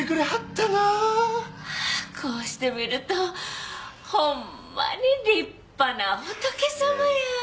こうして見るとほんまに立派な仏様や。